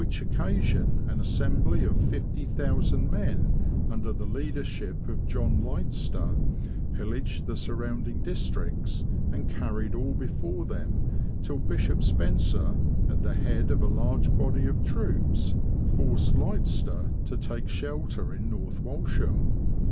occasion an assembly of 50,000 men, under the leader ship of John Litester, pillaged the surrounding districts, and carried all before them till Bishop Spencer, at the head of a large body of troops, forced Litester to take shelter in North Walsham.